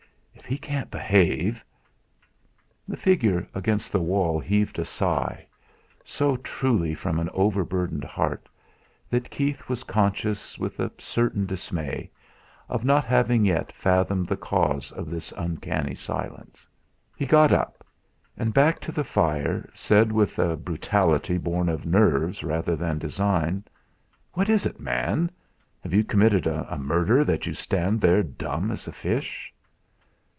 If he can't behave ' The figure against the wall heaved a sigh so truly from an overburdened heart that Keith was conscious with a certain dismay of not having yet fathomed the cause of this uncanny silence. He got up, and, back to the fire, said with a brutality born of nerves rather than design: "What is it, man? Have you committed a murder, that you stand there dumb as a fish?"